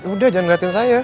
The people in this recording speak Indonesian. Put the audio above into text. udah jangan ngeliatin saya